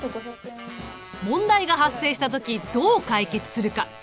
問題が発生した時どう解決するか。